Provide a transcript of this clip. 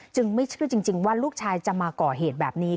ไม่เชื่อจริงว่าลูกชายจะมาก่อเหตุแบบนี้